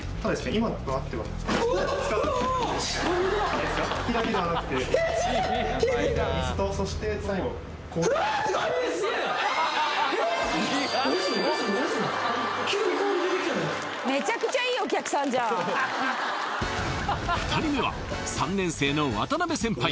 今となっては火だけではなくて２人目は３年生の渡邊先輩